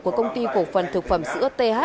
của công ty cổ phần thực phẩm sữa th